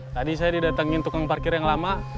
tadi saya didatengin tukang parkir yang lama